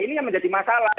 ini yang menjadi masalah